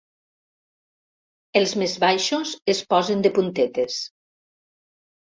Els més baixos es posen de puntetes.